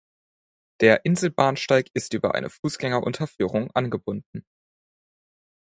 Der Inselbahnsteig ist über eine Fußgängerunterführung angebunden.